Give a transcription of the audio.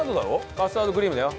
カスタードクリームだよ。